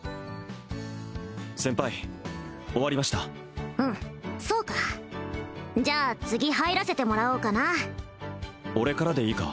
先輩終わりましたうむそうかじゃあ次入らせてもらおうかな俺からでいいか？